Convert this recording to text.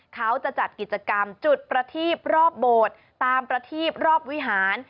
เขาจะจัดกิจกรรมจุดประทีบรอบโบสถ์ตามประทีบรอบวิหาร